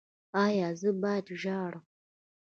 ایا زه باید ژاړم؟